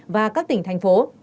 và các tỉnh thành phố